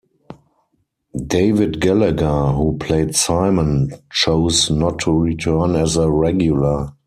David Gallagher, who played Simon, chose not to return as a regular.